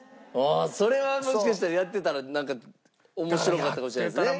それはもしかしたらやってたら面白かったかもしれないですね。